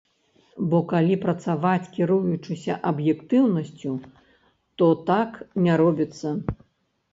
Бо калі працаваць, кіруючыся аб'ектыўнасцю, то так не робіцца.